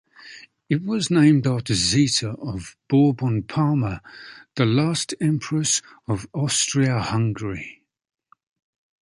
It was named after Zita of Bourbon-Parma, the last empress of Austria-Hungary.